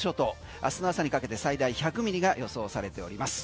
明日の朝にかけて最大１００ミリが予想されております。